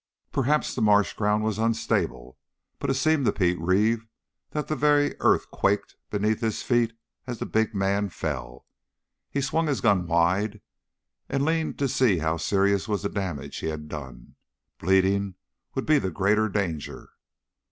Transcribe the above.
Perhaps the marsh ground was unstable, but it seemed to Pete Reeve that the very earth quaked beneath his feet as the big man fell. He swung his gun wide and leaned to see how serious was the damage he had done. Bleeding would be the greater danger.